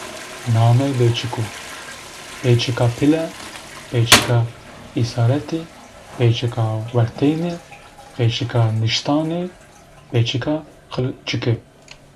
Namê bêçıku: bêçıka pile, bêçıka isareti, bêçıka wertêne, bêçıka niştaney, bêçıka qilçıke